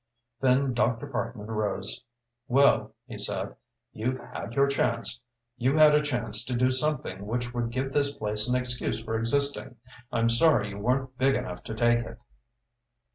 Then Dr. Parkman rose. "Well," he said, "you've had your chance. You had a chance to do something which would give this place an excuse for existing. I'm sorry you weren't big enough to take it.